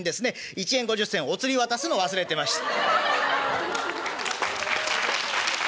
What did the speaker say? １円５０銭お釣り渡すのを忘れてました」。